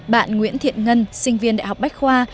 bạn nguyễn thiện ngân sinh viên đại học bách khoa